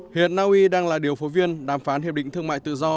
hiện naui đang là điều phối viên đàm phán hiệp định thương mại tự do